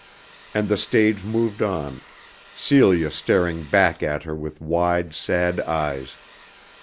And the stage moved on, Celia staring back at her with wide sad eyes.